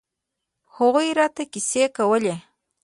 هغوى راته کيسې کولې.